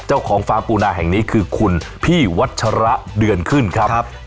ฟาร์มปูนาแห่งนี้คือคุณพี่วัชระเดือนขึ้นครับ